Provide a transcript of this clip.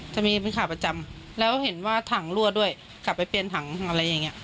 จะมีเป็นขาประจำแล้วเห็นว่าถังรั่วด้วยกลับไปเปลี่ยนถังอะไรอย่างเงี้